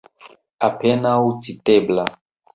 Apenaŭ citebla.